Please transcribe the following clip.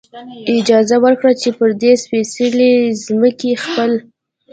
اجازه ورکړه، چې پر دې سپېڅلې ځمکې خپل.